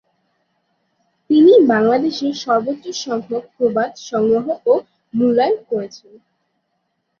তিনি বাংলাদেশের সর্বোচ্চ সংখ্যক প্রবাদ সংগ্রহ ও মূল্যায়ন করেছেন।